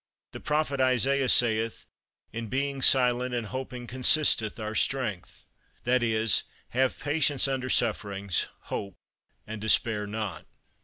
The Prophet Isaiah saith, "In being silent and hoping consisteth our strength;" that is, have patience under sufferings: hope, and despair not.